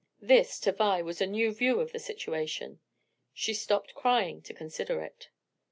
This, to Vi, was a new view of the situation. She stopped crying to consider it.